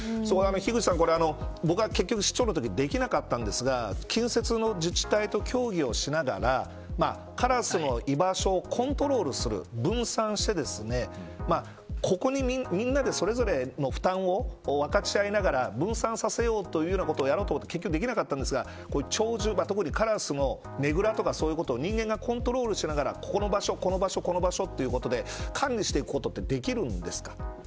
樋口さん、僕が市長のときにはできなかったんですが近接の自治体と協議をしながらカラスの居場所をコントロールする分散して国民みんなでそれぞれの負担を分かち合いながら分散させようということをやろうと思って結局できなかったですが鳥獣、特にカラスのねぐらとかそういうことを人間がコントロールしながらこの場所、この場所と管理することできるんですか。